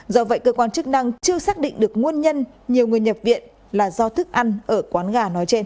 do vậy cơ quan chức năng chưa xác định được nguồn nhân nhiều người nhập viện là do thức ăn ở quán gà nói trên